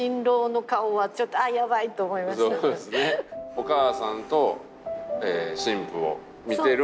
お母さんと新婦を見てる。